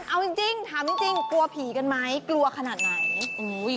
เอาจริงถามจริงกลัวผีกันไหมกลัวขนาดไหน